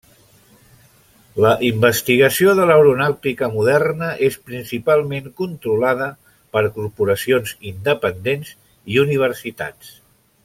La investigació de l'aeronàutica moderna és principalment controlada per corporacions independents i universitats.